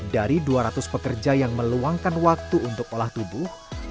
dari dua ratus pekerja yang meluangkan waktu untuk olah tubuh